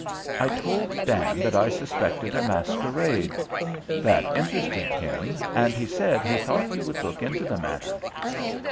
I told Dan that I suspected a masquerade. That interested him, and he said he thought he would look into the matter.